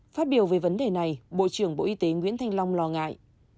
phát biểu về vấn đề này bộ trưởng bộ y tế nguyễn thanh long lo ngại